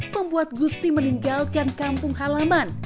membuat gusti meninggalkan kampung halaman